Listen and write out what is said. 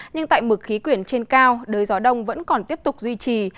nhưng tại mực khí quyển trên cao đời gió đông vẫn còn tiếp tục duy trì